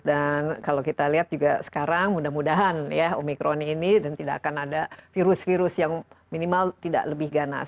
dan kalau kita lihat juga sekarang mudah mudahan ya omikron ini dan tidak akan ada virus virus yang minimal tidak lebih ganas